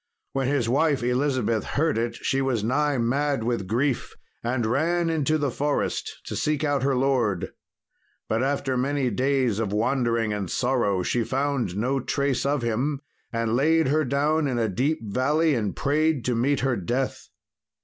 When his wife Elizabeth heard it she was nigh mad with grief, and ran into the forest to seek out her lord. But after many days of wandering and sorrow she found no trace of him, and laid her down in a deep valley and prayed to meet her death.